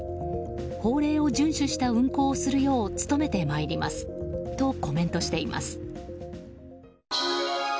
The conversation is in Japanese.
法令を順守した運行をするよう努めてまいりますとコメントしています。